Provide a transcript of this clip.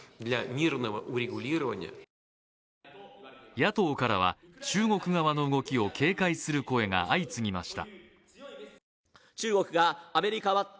野党からは中国側の動きを警戒する声が相次ぎました。